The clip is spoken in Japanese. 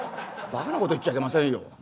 「バカなこと言っちゃいけませんよ。